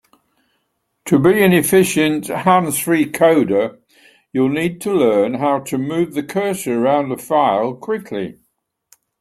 To be an efficient hands-free coder, you'll need to learn how to move the cursor around a file quickly.